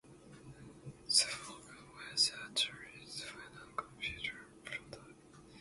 The Falcon was Atari's final computer product.